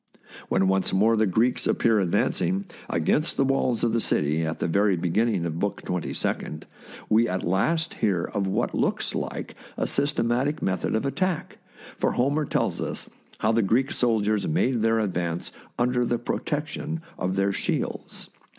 When once more the Greeks appear advancing THE BOOK OF FAMOUS SIEGES against the walls of the city at the very beginning of Book Twenty second, we at last hear of what looks like a systematic method of attack, for Homer tells us how the Greek soldiers made their ad vance under the protection of their shields.